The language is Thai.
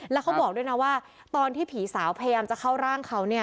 แล้วเขาบอกด้วยนะว่าตอนที่ผีสาวพยายามจะเข้าร่างเขาเนี่ย